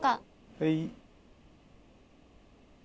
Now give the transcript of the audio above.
はい。